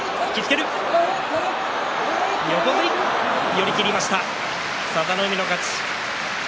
寄り切りました佐田の海の勝ち。